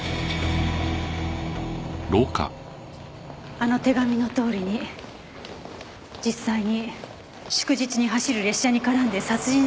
あの手紙のとおりに実際に祝日に走る列車に絡んで殺人事件が起きてしまった。